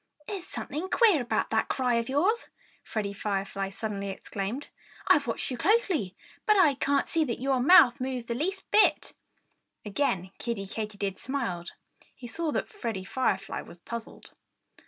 "There's something queer about that cry of yours!" Freddie Firefly suddenly exclaimed. "I'm watching you closely; but I can't see that your mouth moves the least bit." Again Kiddie Katydid smiled. He saw that Freddie Firefly was puzzled.